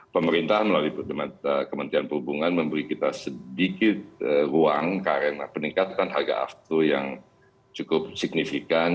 pemerintah melalui kementerian perhubungan memberi kita sedikit ruang karena peningkatan harga aftur yang cukup signifikan